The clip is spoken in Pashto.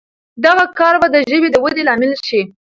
دغه کار به د ژبې د ودې لامل شي.